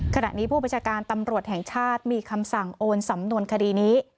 ขณะนี้ผู้บัญชาการตำรวจแห่งชาติมีคำสั่งโอนสำนวนคดีนี้